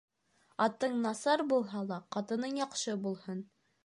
Атың насар булһа ла, ҡатының яҡшы булһын.